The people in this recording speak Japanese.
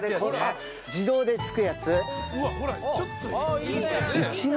自動でつくやつ。